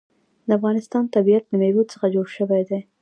د افغانستان طبیعت له مېوې څخه جوړ شوی دی.